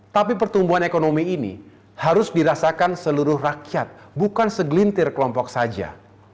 tapi pertumbuhan ekonomi ini harus dirasakan seluruh rakyat bukan segelintir kelompok saja